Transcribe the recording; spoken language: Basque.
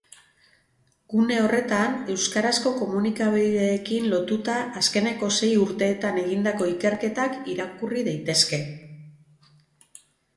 Gune horretan, euskarazko komunikabideekin lotuta azkeneko sei urteetan egindako ikerketak irakurri daitezke.